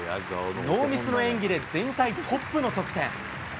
ノーミスの演技で全体トップの得点。